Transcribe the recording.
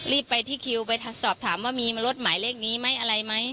รีบไปที่คิวไปสอบถามว่ามีรถหมายเลขนี้ไหมอะไรไหม